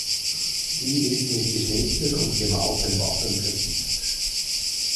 Sie ist mit geschnitzten und gemalten Wappen verziert.